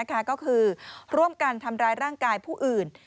ก็คือร่วมกันทำร้ายร่างกายผู้อื่น